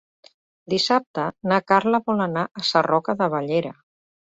Dissabte na Carla vol anar a Sarroca de Bellera.